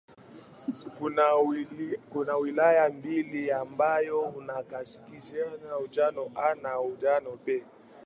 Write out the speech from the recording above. Kuna wilaya mbili ambazo ni Kaskazini Unguja 'A' na Kaskazini Unguja 'B'.